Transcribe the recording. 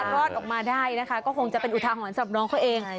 รอดออกมาได้นะคะก็คงจะเป็นอุทาหรณ์สำหรับน้องเขาเอง